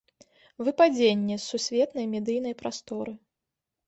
Выпадзенне з сусветнай медыйнай прасторы.